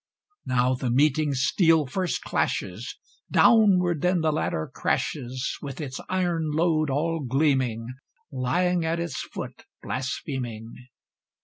Now the meeting steel first clashes, Downward then the ladder crashes, With its iron load all gleaming, Lying at its foot blaspheming.